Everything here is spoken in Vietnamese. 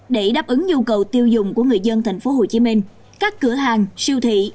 để đáp ứng nhu cầu tiêu dùng của người dân tp hcm các cửa hàng siêu thị